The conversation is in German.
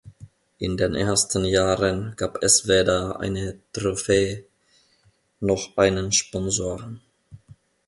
In den ersten Jahren gab es weder eine Trophäe noch einen Sponsor.